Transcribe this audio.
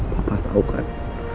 papa tau kan